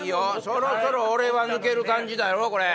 そろそろ俺は抜ける感じだろこれ。